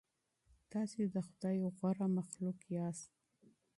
تاسې د خدای غوره مخلوق یاست.